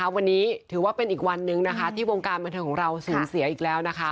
วันนี้ถือว่าเป็นอีกวันนึงที่วงการบันทึกของเราสูงเสียอีกแล้ว